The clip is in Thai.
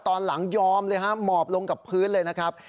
ตอนหลังยอมเลยฮะหมอบลงกับพื้นเลยนะครับ